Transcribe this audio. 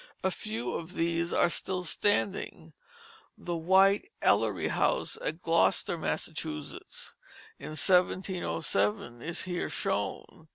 A few of these are still standing: The White Ellery House, at Gloucester, Massachusetts, in 1707, is here shown.